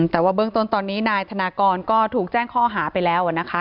แต่ว่าเบื้องต้นตอนนี้นายธนากรก็ถูกแจ้งข้อหาไปแล้วนะคะ